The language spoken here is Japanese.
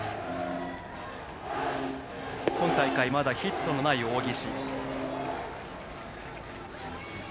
今大会まだヒットのない大岸。